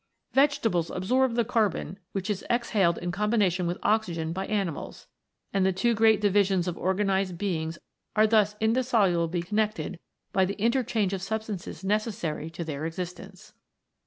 Vegetables absorb the carbon which is exhaled in combination with oxygen by animals, and the two great divisions of organized beings are thus indissolubly connected by the interchange of sub stances necessary to their existence.